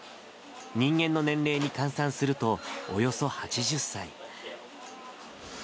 人間の年齢に換算すると、およそ８０歳。